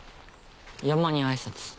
山に挨拶。